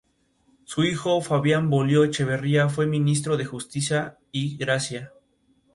Se juzgó que estaban trabajando en condiciones de "esclavitud".